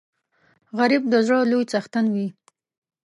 غریب د زړه لوی څښتن وي